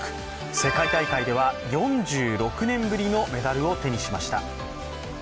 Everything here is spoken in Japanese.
世界大会では４６年ぶりのメダルを手にしました。